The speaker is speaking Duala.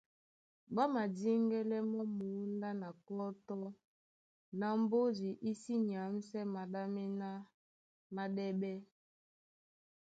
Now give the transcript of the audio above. Ɓá madíŋgɛ́lɛ̀ mǒndá na kɔ́tɔ́ ná mbódi í sí nyǎmsɛ́ maɗá méná máɗɛ́ɓɛ́.